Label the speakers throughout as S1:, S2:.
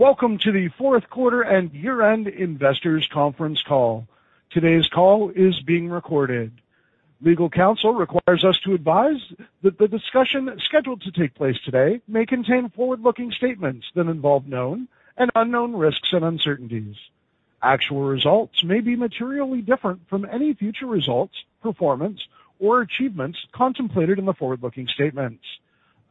S1: Welcome to the fourth quarter and year-end investors conference call. Today's call is being recorded. Legal counsel requires us to advise that the discussion scheduled to take place today may contain forward-looking statements that involve known and unknown risks and uncertainties. Actual results may be materially different from any future results, performance, or achievements contemplated in the forward-looking statements.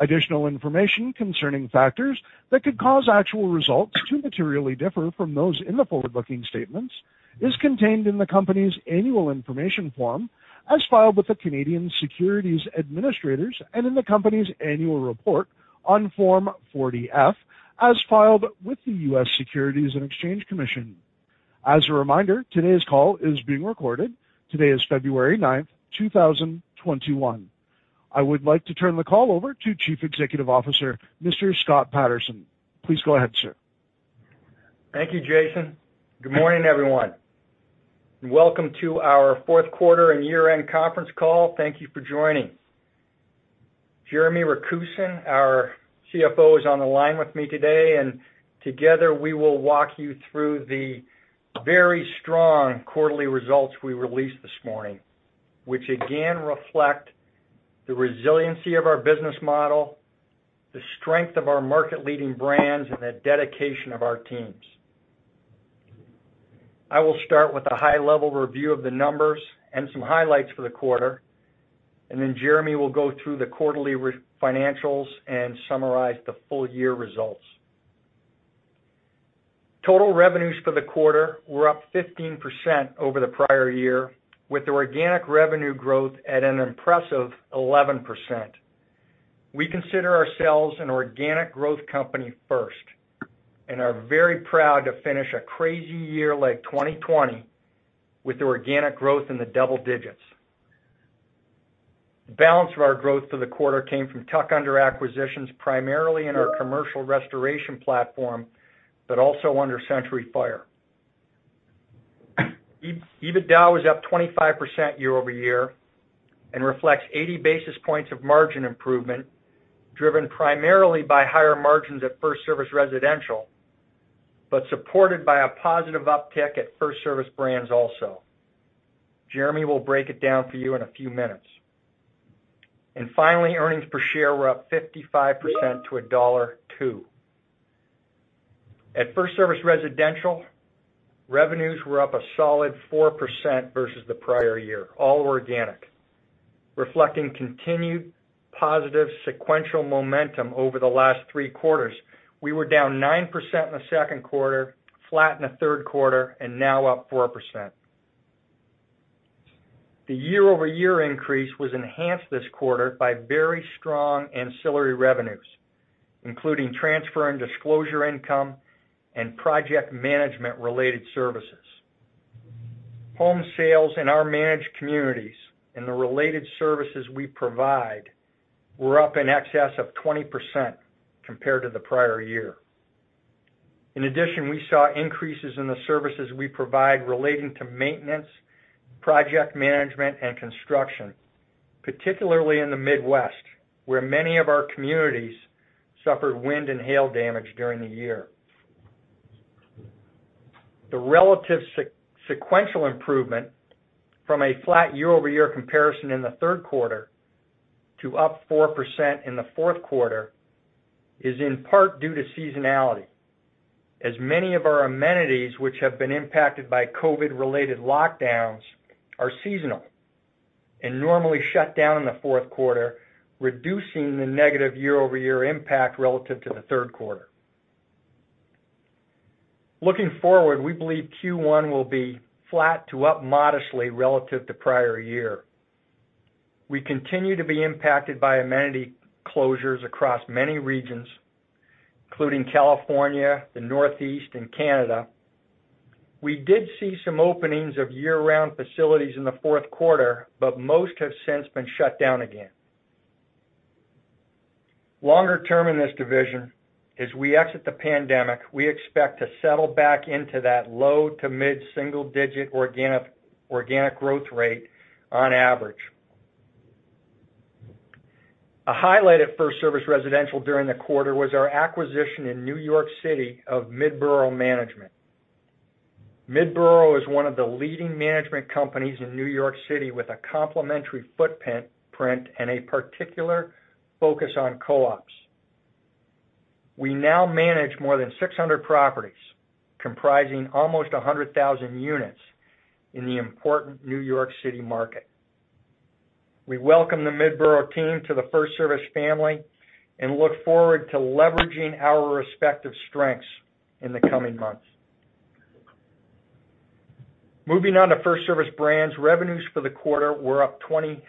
S1: Additional information concerning factors that could cause actual results to materially differ from those in the forward-looking statements is contained in the company's Annual Information Form, as filed with the Canadian Securities Administrators, and in the company's annual report on Form 40-F, as filed with the U.S. Securities and Exchange Commission. As a reminder, today's call is being recorded. Today is February 9, 2021. I would like to turn the call over to Chief Executive Officer, Mr. Scott Patterson. Please go ahead, sir.
S2: Thank you, Jason. Good morning, everyone, and welcome to our fourth quarter, and year-end conference call. Thank you for joining. Jeremy Rakusen, our CFO, is on the line with me today, and together, we will walk you through the very strong quarterly results we released this morning, which again reflect the resiliency of our business model, the strength of our market-leading brands, and the dedication of our teams. I will start with a high-level review of the numbers and some highlights for the quarter, and then Jeremy will go through the quarterly financials and summarize the full year results. Total revenues for the quarter were up 15% over the prior year, with the organic revenue growth at an impressive 11%. We consider ourselves an organic growth company first and are very proud to finish a crazy year like 2020 with organic growth in the double digits. The balance of our growth for the quarter came from tuck-under acquisitions, primarily in our commercial restoration platform, but also under Century Fire. EBITDA was up 25% year-over-year and reflects 80 basis points of margin improvement, driven primarily by higher margins at FirstService Residential, but supported by a positive uptick at FirstService Brands also. Jeremy will break it down for you in a few minutes. Finally, earnings per share were up 55% to $1.02. At FirstService Residential, revenues were up a solid 4% versus the prior year, all organic, reflecting continued positive sequential momentum over the last three quarters. We were down 9% in the second quarter, flat in the third quarter, and now up 4%. The year-over-year increase was enhanced this quarter by very strong ancillary revenues, including transfer and disclosure income and project management-related services. Home sales in our managed communities, and the related services we provide were up in excess of 20% compared to the prior year. In addition, we saw increases in the services we provide relating to maintenance, project management, and construction, particularly in the Midwest, where many of our communities suffered wind, and hail damage during the year. The relative sequential improvement from a flat year-over-year comparison in the third quarter to up 4% in the fourth quarter is in part due to seasonality, as many of our amenities, which have been impacted by COVID-related lockdowns, are seasonal and normally shut down in the fourth quarter, reducing the negative year-over-year impact relative to the third quarter. Looking forward, we believe Q1 will be flat to up modestly relative to prior year. We continue to be impacted by amenity closures across many regions, including California, the Northeast, and Canada. We did see some openings of year-round facilities in the fourth quarter, but most have since been shut down again. Longer term in this division, as we exit the pandemic, we expect to settle back into that low- to mid-single-digit organic growth rate on average. A highlight at FirstService Residential during the quarter was our acquisition in New York City of Midboro Management. Midboro is one of the leading management companies in New York City with a complementary footprint and a particular focus on co-ops. We now manage more than 600 properties, comprising almost 100,000 units in the important New York City market. We welcome the Midboro team to the FirstService family and look forward to leveraging our respective strengths in the coming months. Moving on to FirstService Brands, revenues for the quarter were up 26%,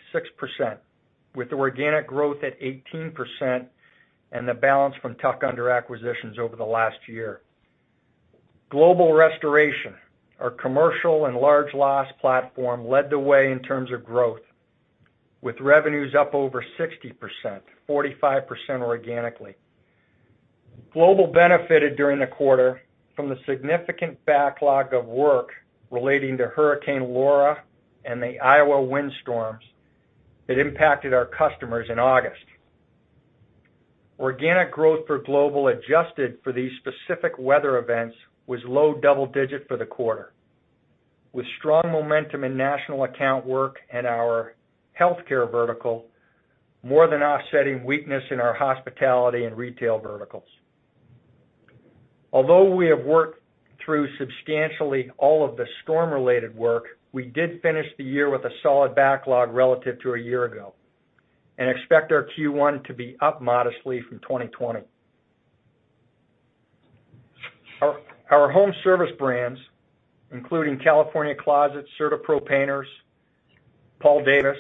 S2: with organic growth at 18% and the balance from tuck-under acquisitions over the last year. Global Restoration, our commercial and large loss platform, led the way in terms of growth, with revenues up over 60%, 45% organically. Global benefited during the quarter from the significant backlog of work relating to Hurricane Laura and the Iowa windstorms that impacted our customers in August. Organic growth for Global, adjusted for these specific weather events, was low double digit for the quarter, with strong momentum in national account work and our healthcare vertical, more than offsetting weakness in our hospitality and retail verticals. Although we have worked through substantially all of the storm-related work, we did finish the year with a solid backlog relative to a year ago and expect our Q1 to be up modestly from 2020. Our FirstService Brands, including California Closets, CertaPro Painters, Paul Davis,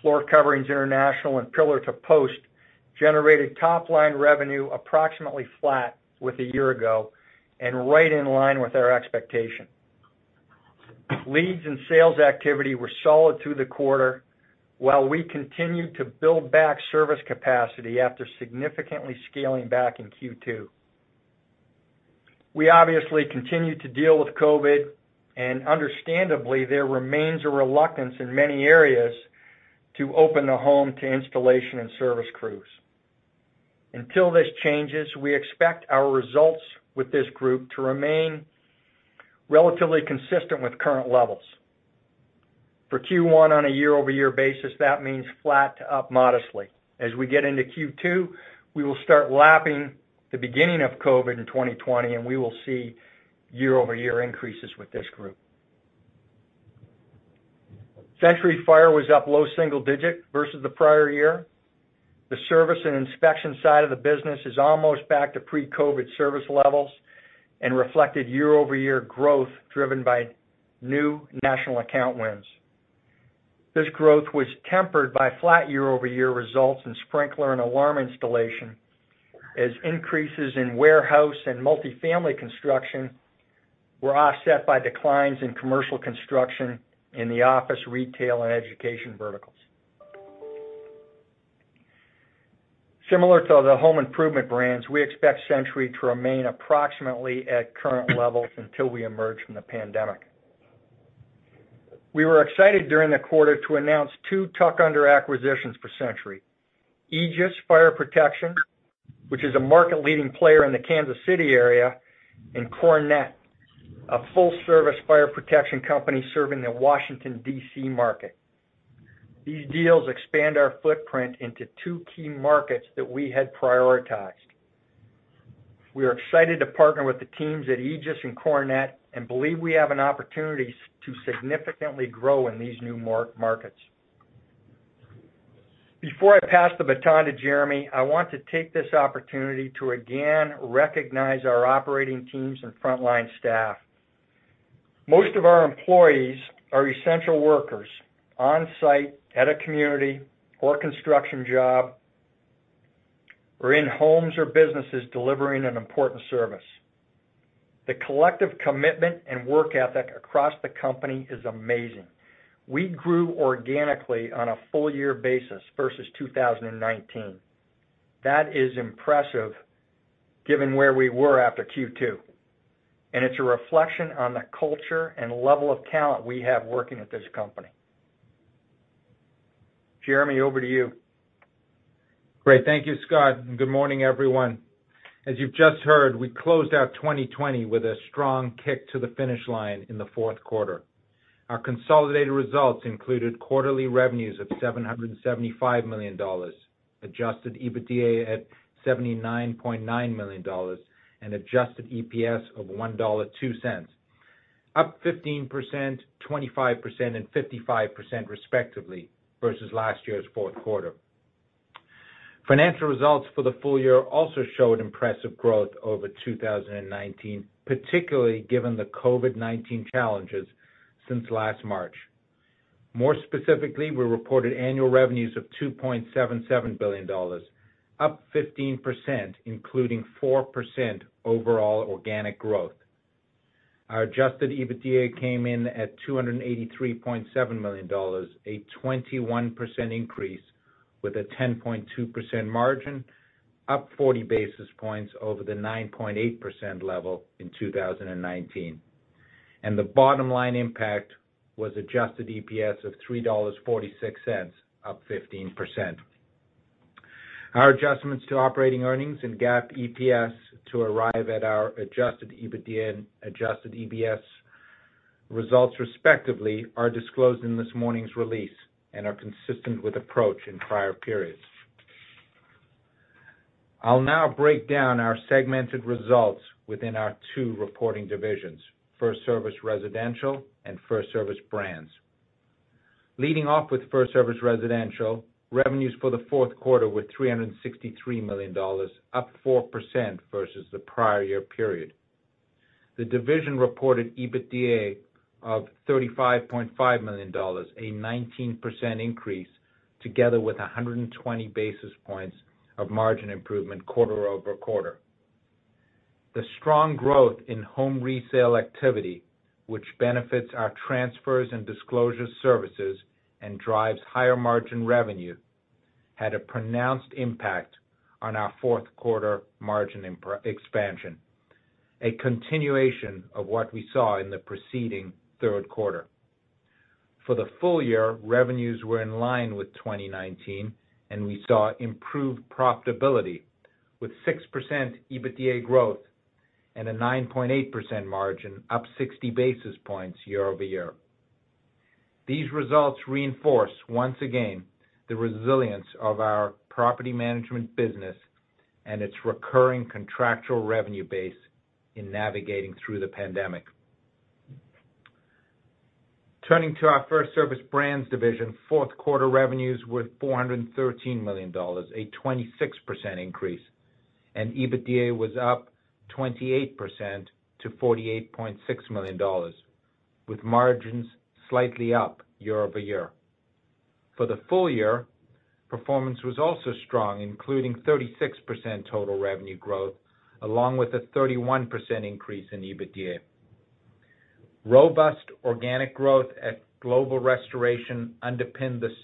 S2: Floor Coverings International, and Pillar To Post, generated top-line revenue approximately flat with a year ago and right in line with our expectation. Leads and sales activity were solid through the quarter, while we continued to build back service capacity after significantly scaling back in Q2. We obviously continue to deal with COVID, and understandably, there remains a reluctance in many areas to open the home to installation and service crews. Until this changes, we expect our results with this group to remain relatively consistent with current levels. For Q1 on a year-over-year basis, that means flat to up modestly. As we get into Q2, we will start lapping the beginning of COVID in 2020, and we will see year-over-year increases with this group. Century Fire was up low single-digit versus the prior year. The service and inspection side of the business is almost back to pre-COVID service levels and reflected year-over-year growth driven by new national account wins. This growth was tempered by flat year-over-year results in sprinkler, and alarm installation, as increases in warehouse and multifamily construction were offset by declines in commercial construction in the office, retail, and education verticals. Similar to the home improvement brands, we expect Century to remain approximately at current levels until we emerge from the pandemic. We were excited during the quarter to announce two tuck-under acquisitions for Century. Aegis Fire Protection, which is a market-leading player in the Kansas City area, and Cornet, a full-service fire protection company serving the Washington, D.C., market. These deals expand our footprint into two key markets that we had prioritized. We are excited to partner with the teams at Aegis, and Cornet and believe we have an opportunity to significantly grow in these new markets. Before I pass the baton to Jeremy, I want to take this opportunity to again recognize our operating teams and frontline staff. Most of our employees are essential workers on-site at a community or construction job or in homes or businesses delivering an important service. The collective commitment and work ethic across the company is amazing. We grew organically on a full year basis versus 2019. That is impressive, given where we were after Q2, and it's a reflection on the culture and level of talent we have working at this company. Jeremy, over to you.
S3: Great. Thank you, Scott, and good morning, everyone. As you've just heard, we closed out 2020 with a strong kick to the finish line in the fourth quarter. Our consolidated results included quarterly revenues of $775 million, adjusted EBITDA at $79.9 million, and adjusted EPS of $1.02, up 15%, 25%, and 55% respectively, versus last year's fourth quarter. Financial results for the full year also showed impressive growth over 2019, particularly given the COVID-19 challenges since last March. More specifically, we reported annual revenues of $2.77 billion, up 15%, including 4% overall organic growth. Our adjusted EBITDA came in at $283.7 million, a 21% increase with a 10.2% margin, up 40 basis points over the 9.8% level in 2019. The bottom line impact was adjusted EPS of $3.46, up 15%. Our adjustments to operating earnings and GAAP EPS to arrive at our adjusted EBITDA and adjusted EPS results, respectively, are disclosed in this morning's release, and are consistent with approach in prior periods. I'll now break down our segmented results within our two reporting divisions, FirstService Residential and FirstService Brands. Leading off with FirstService Residential, revenues for the fourth quarter were $363 million, up 4% versus the prior year period. The division reported EBITDA of $35.5 million, a 19% increase, together with 120 basis points of margin improvement quarter-over-quarter. The strong growth in home resale activity, which benefits our transfers and disclosure services and drives higher margin revenue, had a pronounced impact on our fourth quarter margin expansion.... a continuation of what we saw in the preceding third quarter. For the full year, revenues were in line with 2019, and we saw improved profitability, with 6% EBITDA growth and a 9.8% margin, up 60 basis points year-over-year. These results reinforce, once again, the resilience of our property management business, and its recurring contractual revenue base in navigating through the pandemic. Turning to our FirstService Brands division, fourth quarter revenues were $413 million, a 26% increase, and EBITDA was up 28% to $48.6 million, with margins slightly up year-over-year. For the full year, performance was also strong, including 36% total revenue growth, along with a 31% increase in EBITDA. Robust organic growth at Global Restoration underpinned this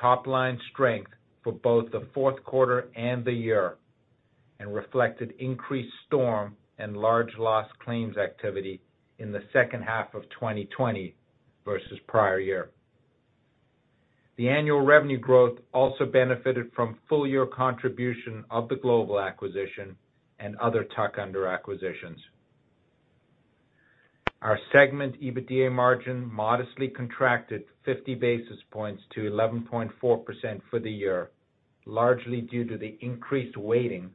S3: top line strength for both the fourth quarter and the year, and reflected increased storm and large loss claims activity in the second half of 2020 versus prior year. The annual revenue growth also benefited from full year contribution of the Global acquisition and other tuck-under acquisitions. Our segment EBITDA margin modestly contracted 50 basis points to 11.4% for the year, largely due to the increased weighting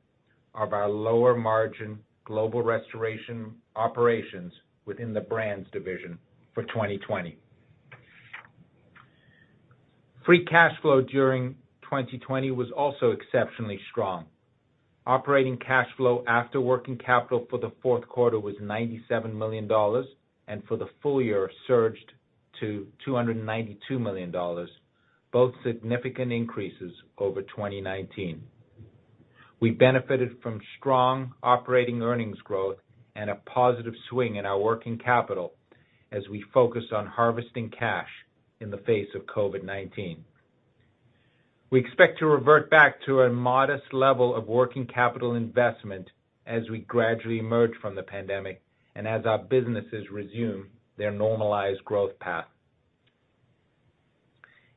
S3: of our lower-margin Global Restoration operations within the Brands division for 2020. Free cash flow during 2020 was also exceptionally strong. Operating cash flow after working capital for the fourth quarter was $97 million, and for the full year, surged to $292 million, both significant increases over 2019. We benefited from strong operating earnings growth and a positive swing in our working capital as we focused on harvesting cash in the face of COVID-19. We expect to revert back to a modest level of working capital investment as we gradually emerge from the pandemic, and as our businesses resume their normalized growth path.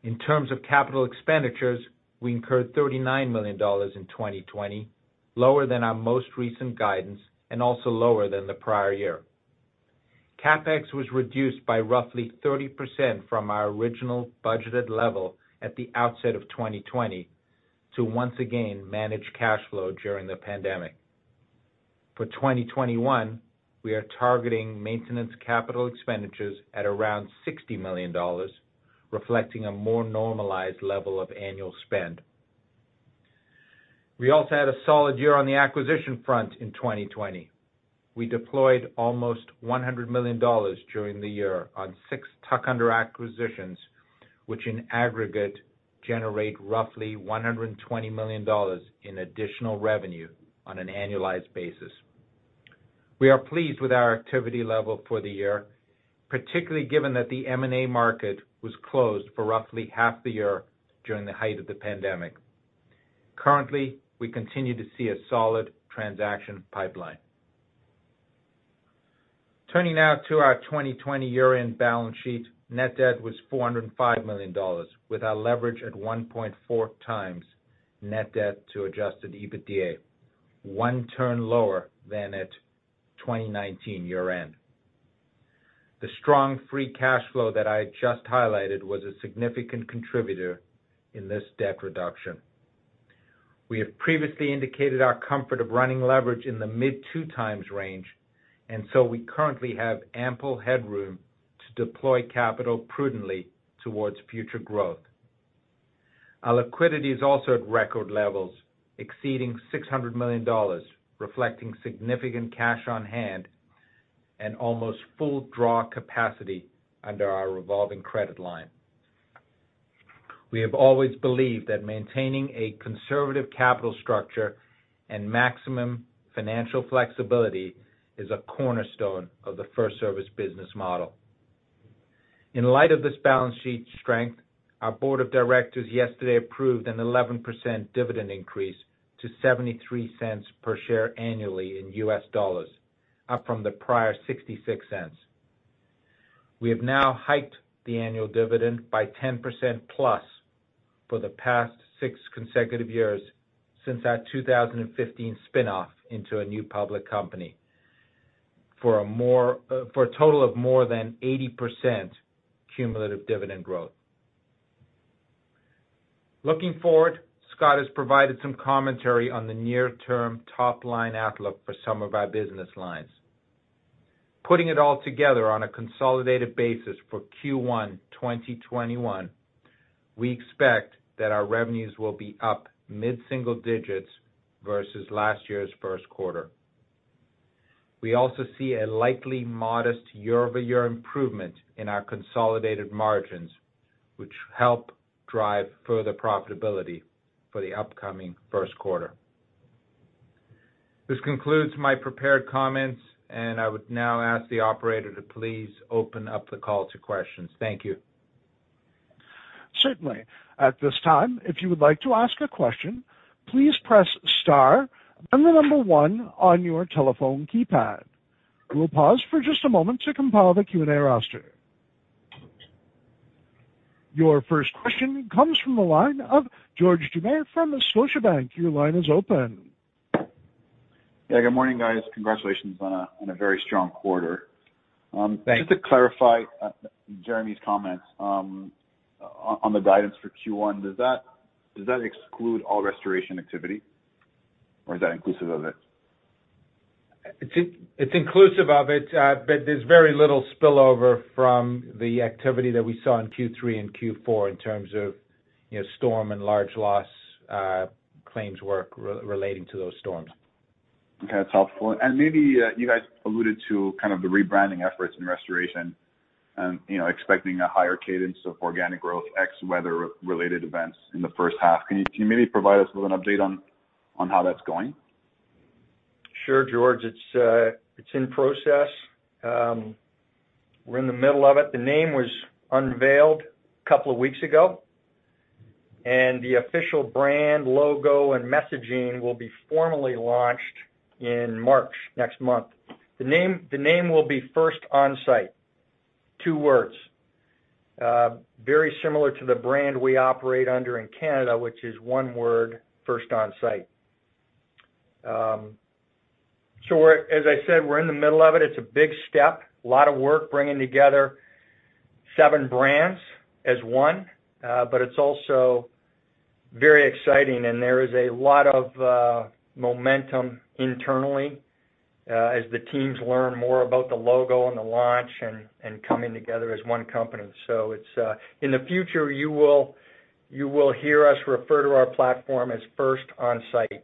S3: In terms of capital expenditures, we incurred $39 million in 2020, lower than our most recent guidance and also lower than the prior year. CapEx was reduced by roughly 30% from our original budgeted level at the outset of 2020, to once again manage cash flow during the pandemic. For 2021, we are targeting maintenance capital expenditures at around $60 million, reflecting a more normalized level of annual spend. We also had a solid year on the acquisition front in 2020. We deployed almost $100 million during the year on 6 tuck-under acquisitions, which in aggregate, generate roughly $120 million in additional revenue on an annualized basis. We are pleased with our activity level for the year, particularly given that the M&A market was closed for roughly half the year during the height of the pandemic. Currently, we continue to see a solid transaction pipeline. Turning now to our 2020 year-end balance sheet, net debt was $405 million, with our leverage at 1.4x net debt to adjusted EBITDA, one turn lower than at 2019 year-end. The strong free cash flow that I just highlighted was a significant contributor in this debt reduction. We have previously indicated our comfort of running leverage in the mid-2x range, and so we currently have ample headroom to deploy capital prudently towards future growth. Our liquidity is also at record levels, exceeding $600 million, reflecting significant cash on hand, and almost full draw capacity under our revolving credit line. We have always believed that maintaining a conservative capital structure and maximum financial flexibility is a cornerstone of the FirstService business model. In light of this balance sheet strength, our board of directors yesterday approved an 11% dividend increase to $0.73 per share annually in US dollars, up from the prior $0.66. We have now hiked the annual dividend by 10% plus for the past six consecutive years since our 2015 spinoff into a new public company, for a total of more than 80% cumulative dividend growth. Looking forward, Scott has provided some commentary on the near-term top-line outlook for some of our business lines. Putting it all together on a consolidated basis for Q1 2021, we expect that our revenues will be up mid-single digits versus last year's first quarter. We also see a likely modest year-over-year improvement in our consolidated margins, which help drive further profitability for the upcoming first quarter. This concludes my prepared comments, and I would now ask the operator to please open up the call to questions. Thank you.
S1: Certainly, at this time, if you would like to ask a question, please press star and the number one on your telephone keypad. We'll pause for just a moment to compile the Q&A roster. Your first question comes from the line of George Doumet from Scotiabank. Your line is open.
S4: Yeah, good morning, guys. Congratulations on a very strong quarter.
S3: Thank you.
S4: Just to clarify, Jeremy's comments on the guidance for Q1, does that exclude all restoration activity, or is that inclusive of it?
S3: It's inclusive of it, but there's very little spillover from the activity that we saw in Q3 and Q4 in terms of, you know, storm and large loss claims work relating to those storms.
S4: Okay, that's helpful. And maybe, you guys alluded to kind of the rebranding efforts in restoration and, you know, expecting a higher cadence of organic growth, ex weather-related events in the first half. Can you, can you maybe provide us with an update on, on how that's going?
S2: Sure, George. It's in process. We're in the middle of it. The name was unveiled a couple of weeks ago, and the official brand, logo, and messaging will be formally launched in March, next month. The name will be FirstOnSite, two words. Very similar to the brand we operate under in Canada, which is one word, First OnSite. So we're, as I said, in the middle of it. It's a big step, a lot of work bringing together seven brands as one. But it's also very exciting, and there is a lot of momentum internally, as the teams learn more about the logo and the launch and coming together as one company. So it's, in the future, you will hear us refer to our platform as First OnSite.
S4: Okay,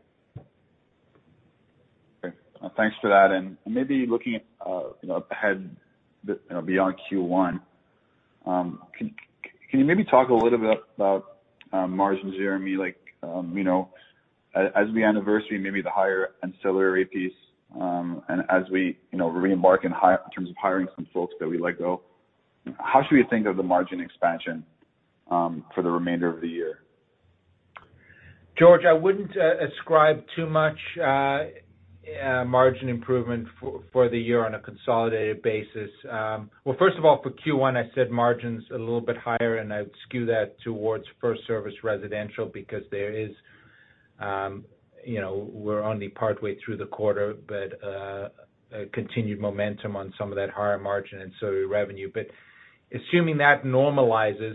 S4: thanks for that. And maybe looking, you know, ahead, you know, beyond Q1, can you maybe talk a little bit about margins, Jeremy? Like, you know, as we anniversary, maybe the higher ancillary piece, and as we, you know, reembark in terms of hiring some folks that we let go, how should we think of the margin expansion for the remainder of the year?
S3: George, I wouldn't ascribe too much margin improvement for the year on a consolidated basis. Well, first of all, for Q1, I said margins a little bit higher, and I would skew that towards FirstService Residential because there is, you know, we're only partway through the quarter, but a continued momentum on some of that higher margin, and ancillary revenue. But assuming that normalizes,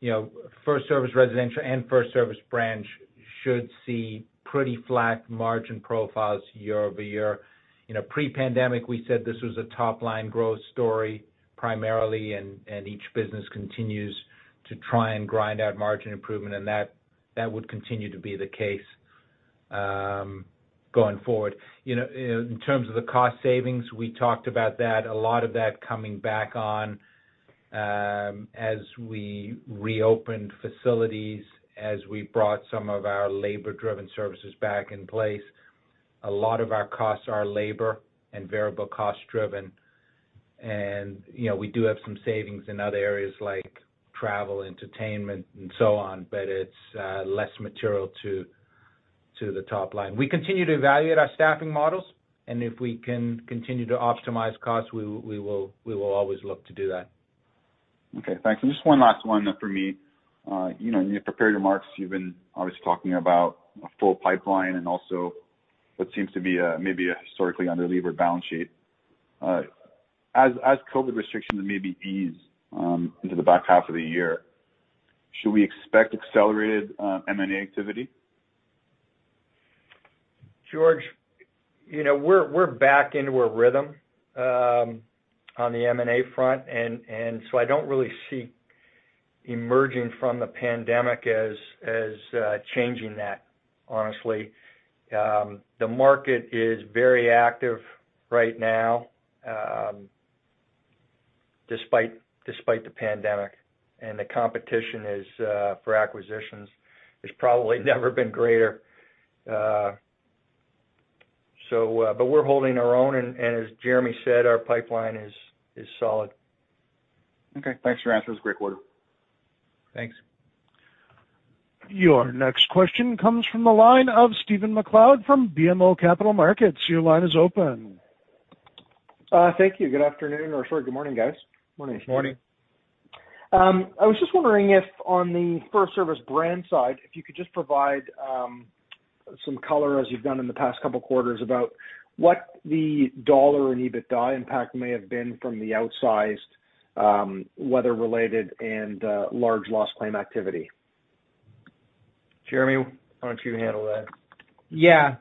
S3: you know, FirstService Residential, and FirstService Brands should see pretty flat margin profiles year over year. You know, pre-pandemic, we said this was a top-line growth story, primarily, and each business continues to try and grind out margin improvement, and that would continue to be the case going forward. You know, in terms of the cost savings, we talked about that, a lot of that coming back on, as we reopened facilities, as we brought some of our labor-driven services back in place. A lot of our costs are labor and variable cost-driven, and, you know, we do have some savings in other areas like travel, entertainment, and so on, but it's less material to the top line. We continue to evaluate our staffing models, and if we can continue to optimize costs, we will. We will always look to do that.
S4: Okay, thanks. And just one last one for me. You know, in your prepared remarks, you've been obviously talking about a full pipeline and also what seems to be a, maybe a historically underlevered balance sheet. As COVID restrictions maybe ease into the back half of the year, should we expect accelerated M&A activity?
S2: George, you know, we're back into a rhythm on the M&A front, and so I don't really see emerging from the pandemic as changing that, honestly. The market is very active right now, despite the pandemic, and the competition for acquisitions has probably never been greater. So, but we're holding our own, and as Jeremy said, our pipeline is solid.
S4: Okay. Thanks for your answers. Great quarter.
S1: Thanks. Your next question comes from the line of Stephen MacLeod from BMO Capital Markets. Your line is open.
S5: Thank you. Good afternoon, or sorry, good morning, guys.
S3: Morning.
S2: Morning.
S5: I was just wondering if on the FirstService Brands side, if you could just provide some color, as you've done in the past couple of quarters, about what the dollar in EBITDA impact may have been from the outsized weather-related and large loss claim activity.
S2: Jeremy, why don't you handle that?
S3: Yeah,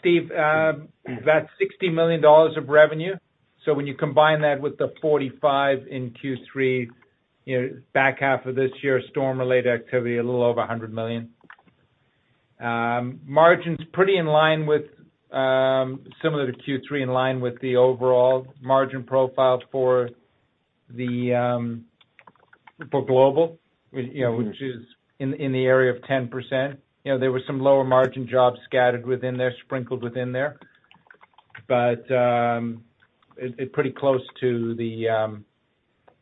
S3: Steve, that's $60 million of revenue. So when you combine that with the $45 million in Q3, you know, back half of this year, storm-related activity, a little over $100 million. Margin's pretty in line with, similar to Q3, in line with the overall margin profile for the, for global, you know-
S5: Mm-hmm
S3: Which is in the area of 10%. You know, there were some lower margin jobs scattered within there, sprinkled within there.... but, it pretty close to the,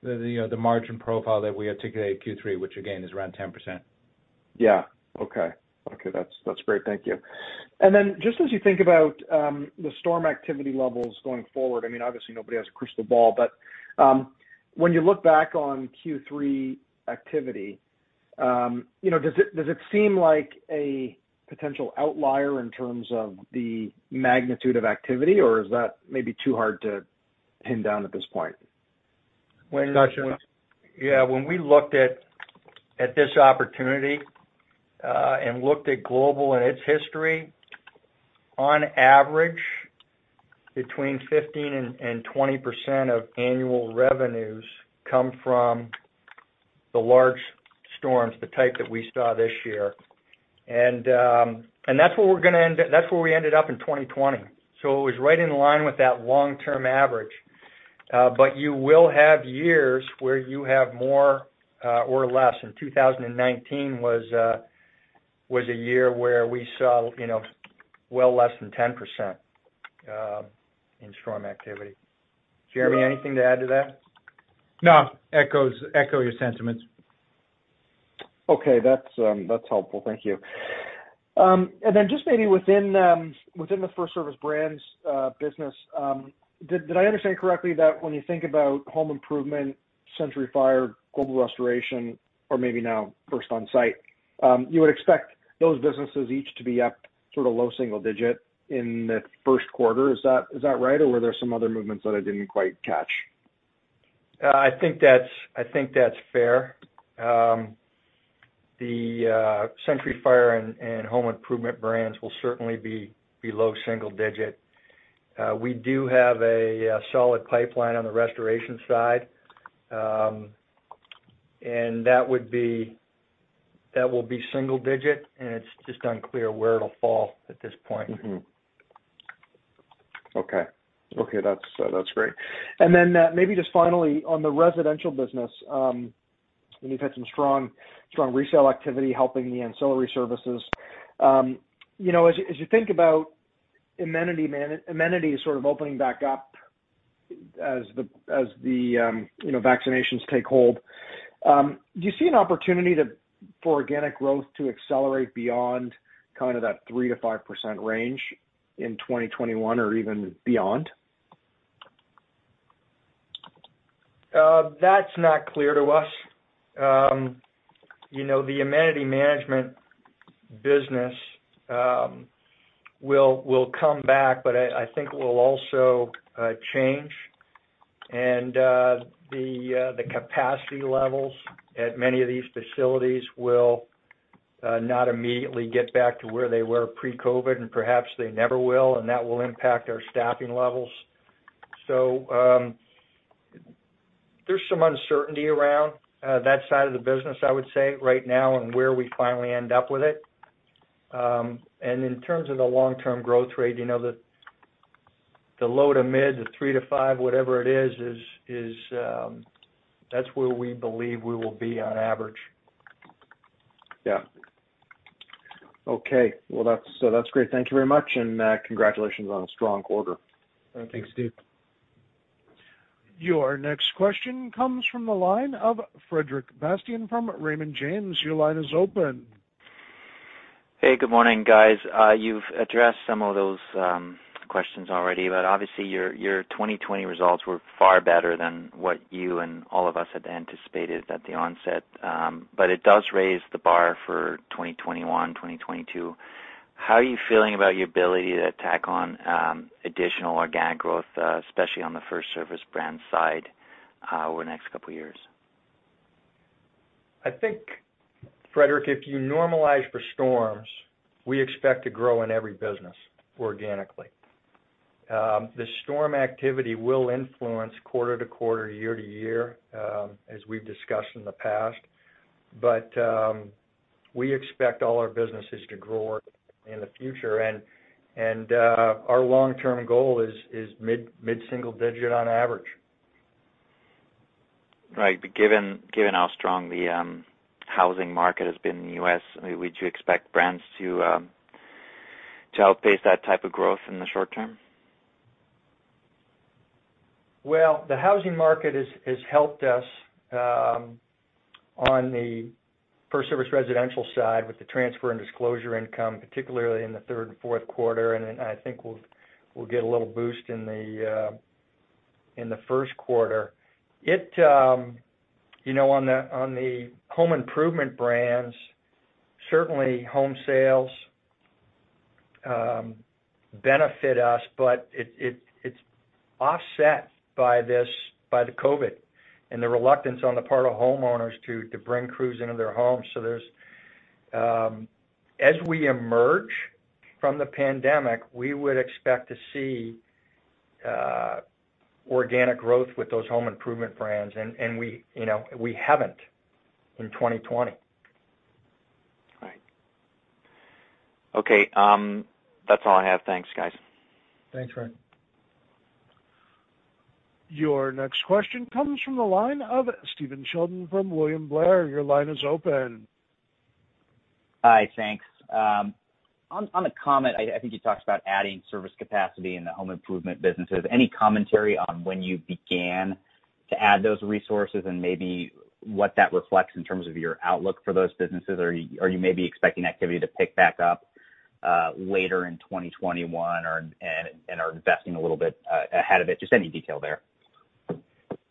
S3: you know, the margin profile that we articulated in Q3, which again, is around 10%.
S5: Yeah. Okay. Okay, that's, that's great. Thank you. And then just as you think about the storm activity levels going forward, I mean, obviously nobody has a crystal ball, but when you look back on Q3 activity, you know, does it, does it seem like a potential outlier in terms of the magnitude of activity, or is that maybe too hard to pin down at this point?
S2: Gotcha. Yeah, when we looked at this opportunity, and looked at Global and its history, on average, between 15 and 20% of annual revenues come from the large storms, the type that we saw this year. And that's where we're gonna end up. That's where we ended up in 2020. So it was right in line with that long-term average. But you will have years where you have more or less. In 2019 was a year where we saw, you know, well less than 10% in storm activity. Jeremy, anything to add to that?
S3: No. Echoes echo your sentiments.
S5: Okay. That's, that's helpful. Thank you. And then just maybe within, within the FirstService Brands, business, did I understand correctly that when you think about home improvement, Century Fire, Global Restoration, or maybe now First Onsite, you would expect those businesses each to be up sort of low single digit in the first quarter. Is that, is that right? Or were there some other movements that I didn't quite catch?
S2: I think that's, I think that's fair. The, Century Fire and, and Home Improvement brands will certainly be below single digit. We do have a, solid pipeline on the restoration side, and that would be... That will be single digit, and it's just unclear where it'll fall at this point.
S5: Mm-hmm. Okay. Okay, that's great. And then, maybe just finally, on the residential business, and you've had some strong, strong resale activity helping the ancillary services. You know, as you think about amenities sort of opening back up as the, as the, you know, vaccinations take hold, do you see an opportunity to, for organic growth to accelerate beyond kind of that 3%-5% range in 2021 or even beyond?
S2: That's not clear to us. You know, the amenity management business will come back, but I think will also change. The capacity levels at many of these facilities will not immediately get back to where they were pre-COVID, and perhaps they never will, and that will impact our staffing levels. So, there's some uncertainty around that side of the business, I would say, right now and where we finally end up with it. And in terms of the long-term growth rate, you know, the low to mid, the 3-5, whatever it is, that's where we believe we will be on average.
S5: Yeah. Okay. Well, that's, so that's great. Thank you very much, and congratulations on a strong quarter.
S2: Thanks, Steve.
S1: Your next question comes from the line of Frederic Bastien from Raymond James. Your line is open.
S6: Hey, good morning, guys. You've addressed some of those questions already, but obviously, your, your 2020 results were far better than what you and all of us had anticipated at the onset. But it does raise the bar for 2021, 2022. How are you feeling about your ability to tack on additional organic growth, especially on the FirstService Brands side, over the next couple of years?
S2: I think, Frederic, if you normalize for storms, we expect to grow in every business organically. The storm activity will influence quarter to quarter, year to year, as we've discussed in the past. But we expect all our businesses to grow in the future, and our long-term goal is mid-single digit on average.
S6: Right. But given how strong the housing market has been in the U.S., would you expect brands to outpace that type of growth in the short term?
S2: Well, the housing market has helped us on the FirstService Residential side with the transfer and disclosure income, particularly in the third and fourth quarter, and then I think we'll get a little boost in the first quarter. It you know, on the home improvement brands, certainly home sales benefit us, but it it's offset by this, by the COVID and the reluctance on the part of homeowners to bring crews into their homes. So there's... As we emerge from the pandemic, we would expect to see organic growth with those home improvement brands, and we you know, we haven't in 2020.
S6: Right. Okay, that's all I have. Thanks, guys.
S2: Thanks, Fred.
S1: Your next question comes from the line of Stephen Sheldon from William Blair. Your line is open.
S7: Hi, thanks. On a comment, I think you talked about adding service capacity in the home improvement businesses. Any commentary on when you began to add those resources and maybe what that reflects in terms of your outlook for those businesses? Are you maybe expecting activity to pick back up later in 2021 or, and are investing a little bit ahead of it? Just any detail there.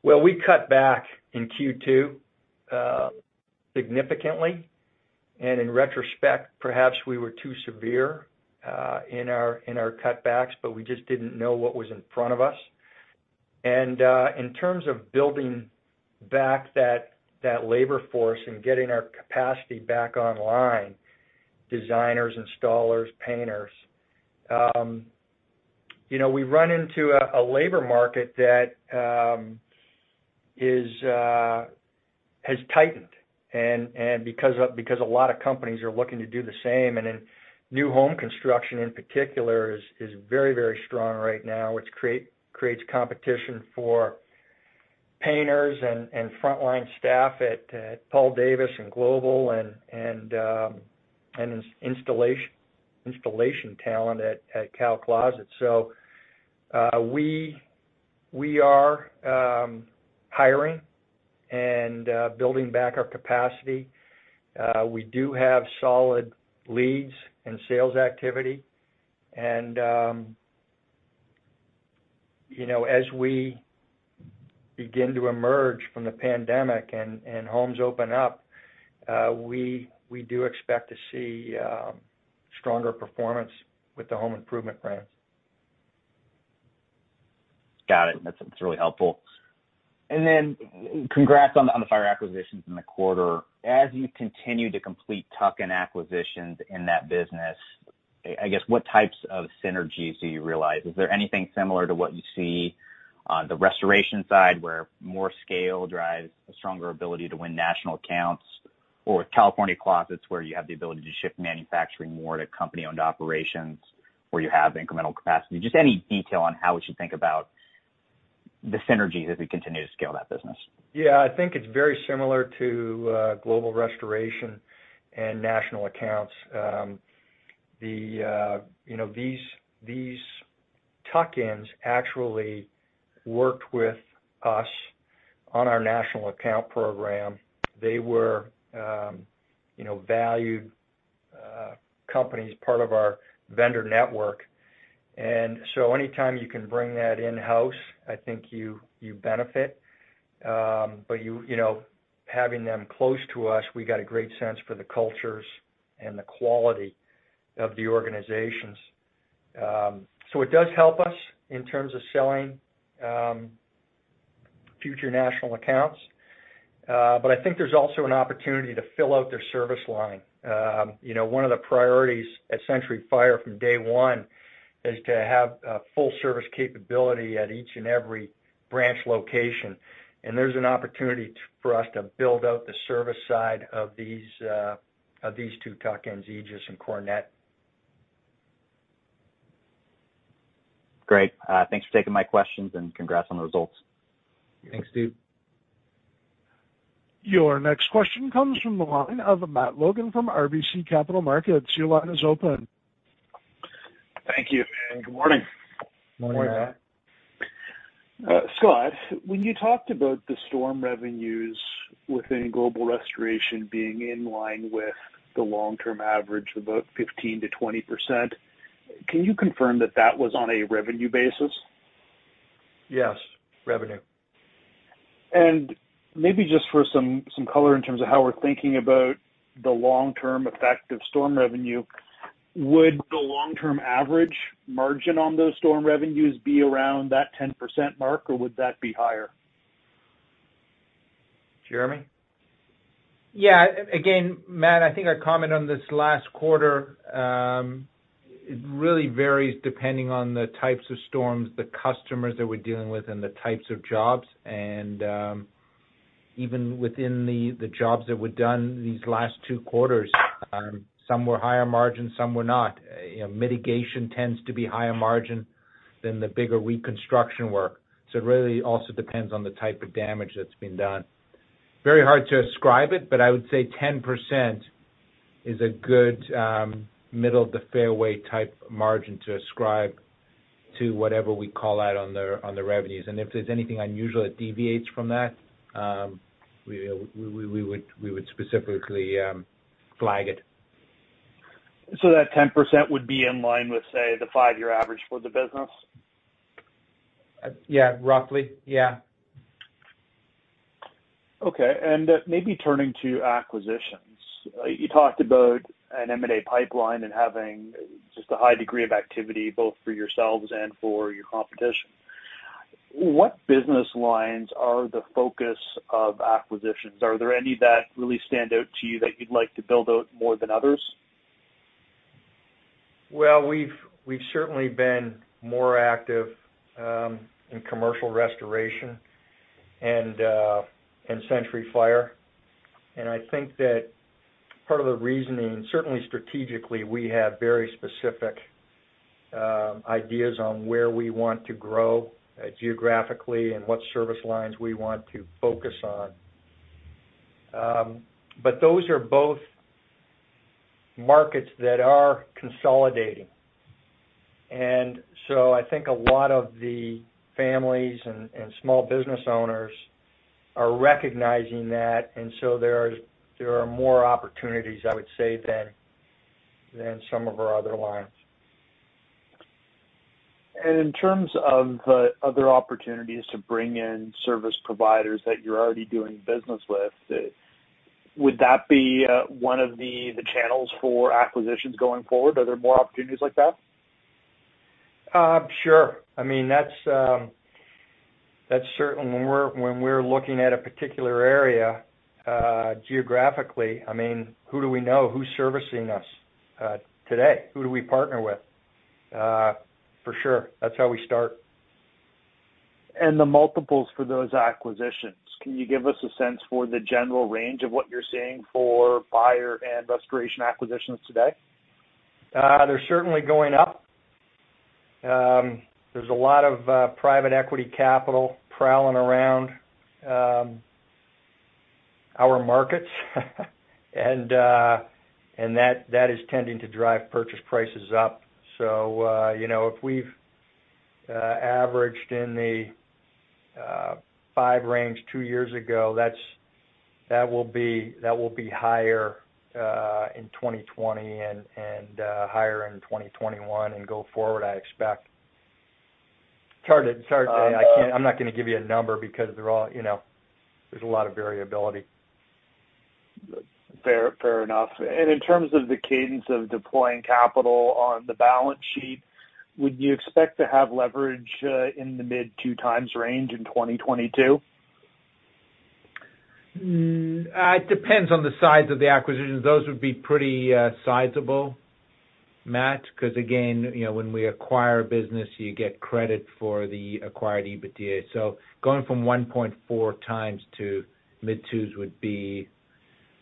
S2: Well, we cut back in Q2, significantly. In retrospect, perhaps we were too severe in our cutbacks, but we just didn't know what was in front of us. In terms of building back that labor force and getting our capacity back online, designers, installers, painters, you know, we run into a labor market that has tightened. Because a lot of companies are looking to do the same, and in new home construction, in particular, is very, very strong right now, which creates competition for painters and frontline staff at Paul Davis and Global and installation talent at California Closets. So, we are hiring and building back our capacity. We do have solid leads and sales activity. You know, as we begin to emerge from the pandemic and homes open up, we do expect to see stronger performance with the home improvement brands.
S7: Got it. That's, that's really helpful. And then congrats on the, on the fire acquisitions in the quarter. As you continue to complete tuck-in acquisitions in that business, I, I guess, what types of synergies do you realize? Is there anything similar to what you see on the restoration side, where more scale drives a stronger ability to win national accounts? Or with California Closets, where you have the ability to shift manufacturing more to company-owned operations, where you have incremental capacity? Just any detail on how we should think about the synergies as we continue to scale that business.
S2: Yeah, I think it's very similar to Global Restoration, and National Accounts. The, you know, these, these tuck-ins actually worked with us on our national account program. They were, you know, valued companies, part of our vendor network. And so anytime you can bring that in-house, I think you benefit. But you know, having them close to us, we got a great sense for the cultures and the quality of the organizations. So it does help us in terms of selling future national accounts. But I think there's also an opportunity to fill out their service line. You know, one of the priorities at Century Fire from day one is to have a full service capability at each and every branch location. There's an opportunity for us to build out the service side of these, of these two tuck-ins, Aegis and Cornet.
S7: Great. Thanks for taking my questions, and congrats on the results.
S2: Thanks, Steve.
S1: Your next question comes from the line of Matt Logan from RBC Capital Markets. Your line is open.
S8: Thank you, and good morning.
S2: Morning, Matt.
S8: Scott, when you talked about the storm revenues within Global Restoration being in line with the long-term average, about 15%-20%, can you confirm that that was on a revenue basis?
S2: Yes, revenue.
S8: And maybe just for some color in terms of how we're thinking about the long-term effect of storm revenue, would the long-term average margin on those storm revenues be around that 10% mark, or would that be higher?
S2: Jeremy?
S3: Yeah. Again, Matt, I think I commented on this last quarter. It really varies depending on the types of storms, the customers that we're dealing with, and the types of jobs. And even within the jobs that were done these last two quarters, some were higher margin, some were not. You know, mitigation tends to be higher margin than the bigger reconstruction work. So it really also depends on the type of damage that's been done. Very hard to ascribe it, but I would say 10% is a good, middle-of-the-fairway type margin to ascribe to whatever we call out on the revenues. And if there's anything unusual that deviates from that, we would specifically flag it.
S8: So that 10% would be in line with, say, the five-year average for the business?
S3: Yeah, roughly. Yeah.
S8: Okay. And, maybe turning to acquisitions. You talked about an M&A pipeline and having just a high degree of activity, both for yourselves and for your competition. What business lines are the focus of acquisitions? Are there any that really stand out to you that you'd like to build out more than others?
S2: Well, we've certainly been more active in commercial restoration and in Century Fire. And I think that part of the reasoning, certainly strategically, we have very specific ideas on where we want to grow geographically and what service lines we want to focus on. But those are both markets that are consolidating. And so I think a lot of the families, and small business owners are recognizing that, and so there are more opportunities, I would say, than some of our other lines.
S8: In terms of the other opportunities to bring in service providers that you're already doing business with, would that be one of the channels for acquisitions going forward? Are there more opportunities like that?
S2: Sure. I mean, that's certainly when we're, when we're looking at a particular area, geographically, I mean, who do we know? Who's servicing us, today? Who do we partner with? For sure, that's how we start.
S8: The multiples for those acquisitions, can you give us a sense for the general range of what you're seeing for buyer and restoration acquisitions today?
S2: They're certainly going up. There's a lot of private equity capital prowling around our markets. And that is tending to drive purchase prices up. So you know, if we've averaged in the five range two years ago, that will be higher in 2020 and higher in 2021 and go forward, I expect. Sorry, I can't—I'm not gonna give you a number because they're all, you know, there's a lot of variability.
S8: Fair, fair enough. In terms of the cadence of deploying capital on the balance sheet, would you expect to have leverage in the mid-2x range in 2022?
S3: It depends on the size of the acquisitions. Those would be pretty sizable, Matt, 'cause again, you know, when we acquire a business, you get credit for the acquired EBITDA. So going from 1.4 times to mid-2s would be...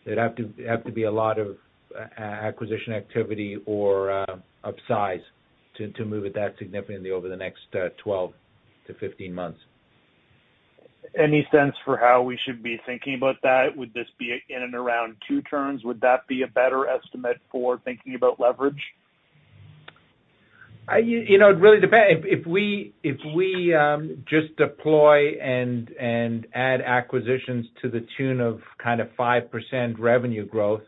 S3: It'd have to be a lot of acquisition activity or upsize to move it that significantly over the next 12-15 months.
S8: Any sense for how we should be thinking about that? Would this be in and around two turns? Would that be a better estimate for thinking about leverage?
S3: You know, it really depends. If we just deploy and add acquisitions to the tune of kind of 5% revenue growth,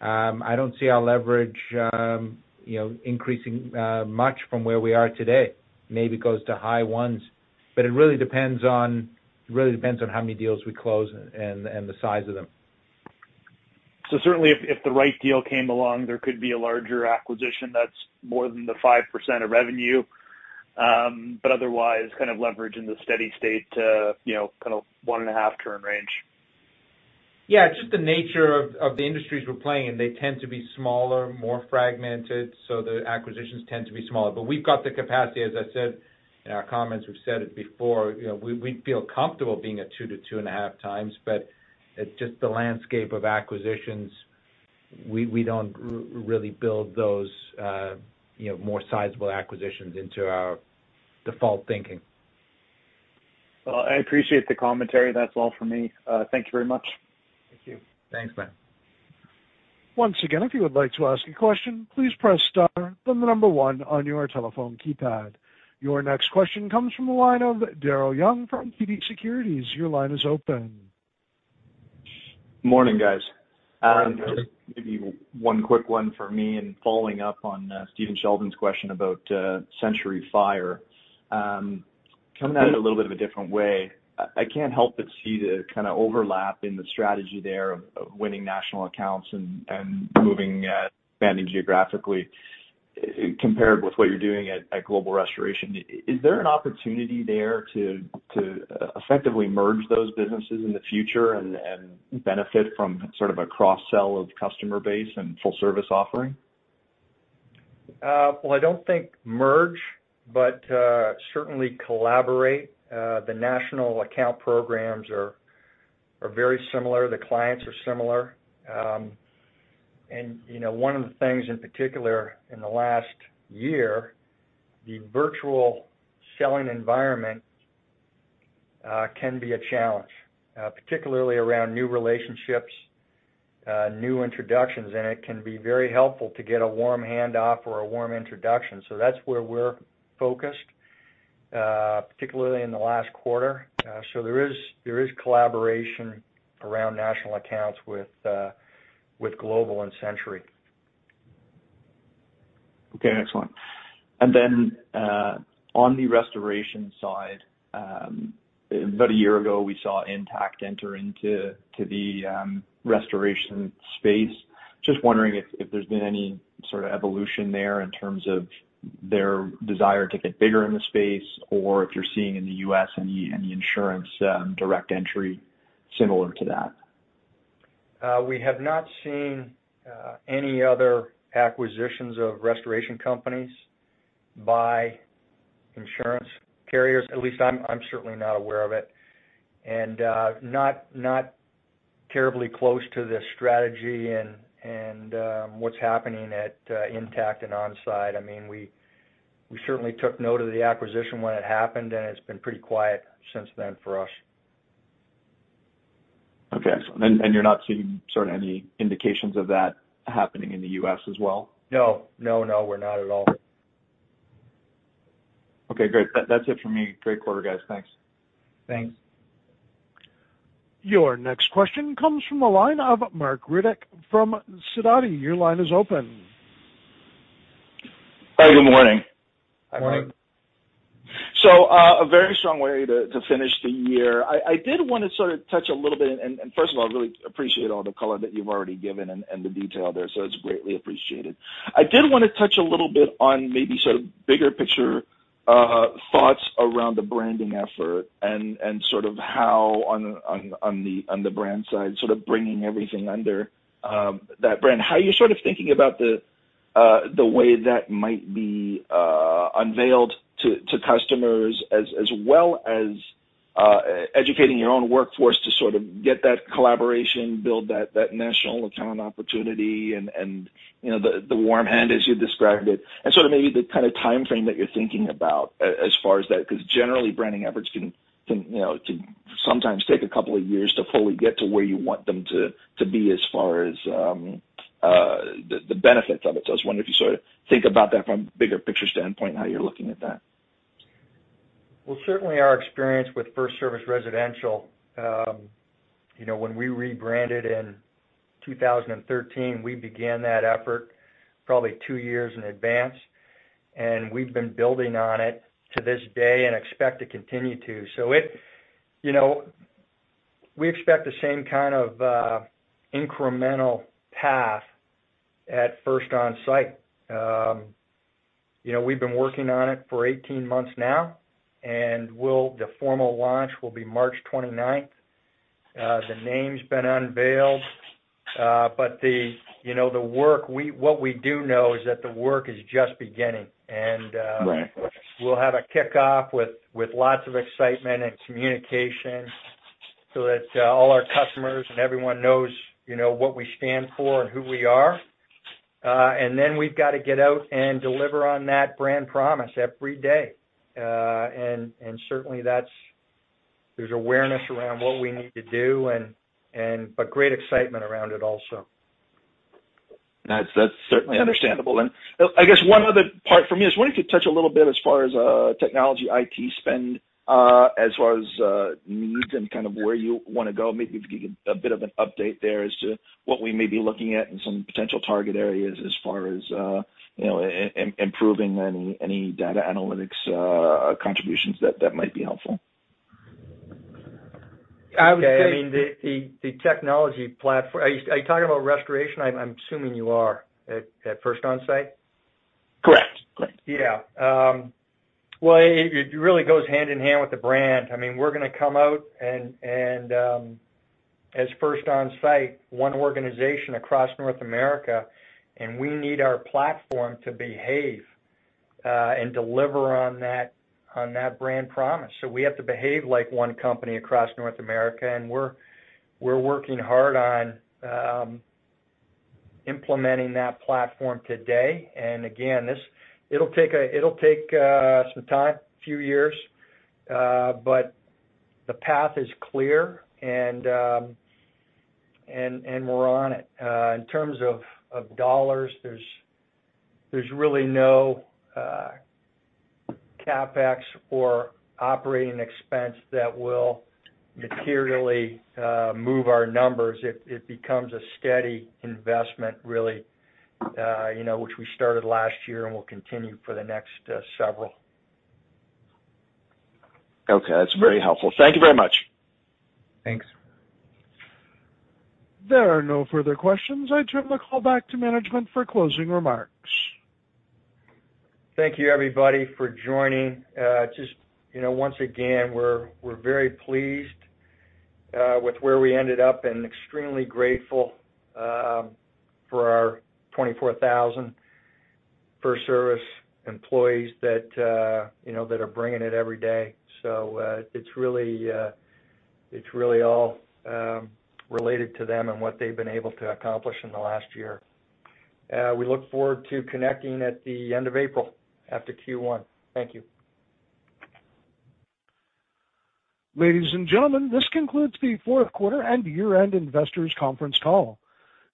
S3: I don't see our leverage, you know, increasing much from where we are today. Maybe it goes to high ones. But it really depends on how many deals we close and the size of them.
S8: So certainly if the right deal came along, there could be a larger acquisition that's more than the 5% of revenue. But otherwise, kind of leverage in the steady state to, you know, kind of 1.5 turn range.
S3: Yeah, it's just the nature of, of the industries we're playing in. They tend to be smaller, more fragmented, so the acquisitions tend to be smaller. But we've got the capacity, as I said, in our comments, we've said it before, you know, we, we'd feel comfortable being at 2-2.5 times, but it's just the landscape of acquisitions. We, we don't really build those, you know, more sizable acquisitions into our default thinking.
S8: Well, I appreciate the commentary. That's all for me. Thank you very much.
S2: Thank you.
S3: Thanks, Matt.
S1: Once again, if you would like to ask a question, please press star, then the number one on your telephone keypad. Your next question comes from the line of Daryl Young from TD Securities. Your line is open.
S9: Morning, guys.
S2: Morning.
S9: Maybe one quick one for me, and following up on Stephen Sheldon's question about Century Fire. Coming at it a little bit of a different way, I can't help but see the kind of overlap in the strategy there of winning national accounts and moving, expanding geographically, compared with what you're doing at Global Restoration. Is there an opportunity there to effectively merge those businesses in the future and benefit from sort of a cross-sell of customer base and full service offering?
S2: Well, I don't think merge, but certainly collaborate. The national account programs are very similar. The clients are similar. And, you know, one of the things in particular in the last year, the virtual selling environment can be a challenge, particularly around new relationships, new introductions, and it can be very helpful to get a warm handoff or a warm introduction. So that's where we're focused, particularly in the last quarter. So there is collaboration around national accounts with Global and Century.
S9: Okay, excellent. And then, on the restoration side, about a year ago, we saw Intact enter into the restoration space. Just wondering if there's been any sort of evolution there in terms of their desire to get bigger in the space, or if you're seeing in the U.S. any insurance direct entry similar to that?
S2: We have not seen any other acquisitions of restoration companies by insurance carriers, at least I'm certainly not aware of it. And not terribly close to the strategy and what's happening at Intact and Onsite. I mean, we certainly took note of the acquisition when it happened, and it's been pretty quiet since then for us.
S9: Okay. And you're not seeing sort of any indications of that happening in the U.S. as well?
S2: No. No, no, we're not at all.
S9: Okay, great. That-that's it for me. Great quarter, guys. Thanks.
S2: Thanks.
S1: Your next question comes from the line of Mark Riddick from Susquehanna. Your line is open.
S10: Hi, good morning.
S2: Hi, Mark.
S10: So, a very strong way to finish the year. I did wanna sort of touch a little bit, and first of all, I really appreciate all the color that you've already given and the detail there, so it's greatly appreciated. I did wanna touch a little bit on maybe sort of bigger picture thoughts around the branding effort and sort of how on the brand side, sort of bringing everything under that brand. How are you sort of thinking about the way that might be unveiled to customers, as well as educating your own workforce to sort of get that collaboration, build that national account opportunity, and, you know, the warm hand, as you described it? Sort of maybe the kind of timeframe that you're thinking about as far as that, 'cause generally, branding efforts can, you know, sometimes take a couple of years to fully get to where you want them to be, as far as the benefits of it. I was wondering if you sort of think about that from a bigger picture standpoint and how you're looking at that.
S2: Well, certainly our experience with FirstService Residential, you know, when we rebranded in 2013, we began that effort probably two years in advance, and we've been building on it to this day and expect to continue to. So it, you know, we expect the same kind of incremental path at First Onsite. You know, we've been working on it for 18 months now, and the formal launch will be March 29. The name's been unveiled, but the, you know, the work, what we do know is that the work is just beginning.
S10: Right.
S2: We'll have a kickoff with lots of excitement and communication so that all our customers and everyone knows, you know, what we stand for and who we are. And then we've gotta get out and deliver on that brand promise every day. And certainly, that's... there's awareness around what we need to do and but great excitement around it also.
S10: That's certainly understandable. I guess one other part for me is, I wonder if you could touch a little bit as far as technology IT spend, as far as needs and kind of where you wanna go. Maybe if you could give a bit of an update there as to what we may be looking at and some potential target areas as far as, you know, improving any data analytics contributions that might be helpful.
S2: I would say, I mean, the technology platform... Are you talking about restoration? I'm assuming you are, at First Onsite.
S10: Correct, correct.
S2: Yeah. Well, it really goes hand in hand with the brand. I mean, we're gonna come out and as First Onsite, one organization across North America, and we need our platform to behave and deliver on that, on that brand promise. So we have to behave like one company across North America, and we're working hard on implementing that platform today. And again, it'll take some time, a few years, but the path is clear, and we're on it. In terms of dollars, there's really no CapEx or operating expense that will materially move our numbers. It becomes a steady investment, really, you know, which we started last year and will continue for the next several.
S10: Okay, that's very helpful. Thank you very much.
S2: Thanks.
S1: There are no further questions. I turn the call back to management for closing remarks.
S2: Thank you, everybody, for joining. Just, you know, once again, we're, we're very pleased with where we ended up and extremely grateful for our 24,000 FirstService employees that, you know, that are bringing it every day. So, it's really, it's really all related to them and what they've been able to accomplish in the last year. We look forward to connecting at the end of April, after Q1. Thank you.
S1: Ladies and gentlemen, this concludes the fourth quarter and year-end investors conference call.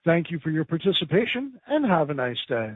S1: Thank you for your participation, and have a nice day.